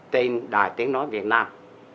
tên đài tiếng nói việt nam